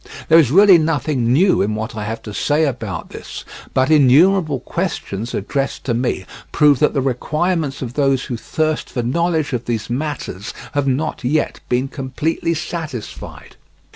There is really nothing new in what I have to say about this; but innumerable questions addressed to me prove that the requirements of those who thirst for knowledge of these matters have not yet been completely satisfied.